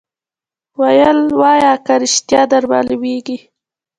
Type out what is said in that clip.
ویل وایه که ریشتیا در معلومیږي